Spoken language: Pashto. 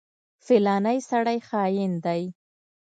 فلانی سړی خاين دی.